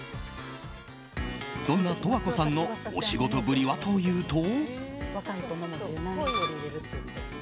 そんな十和子さんのお仕事ぶりはというと。